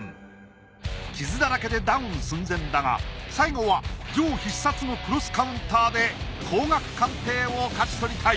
傷だらけでダウン寸前だが最後はジョー必殺のクロスカウンターで高額鑑定を勝ち取りたい。